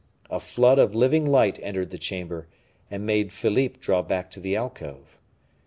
A flood of living light entered the chamber, and made Philippe draw back to the alcove.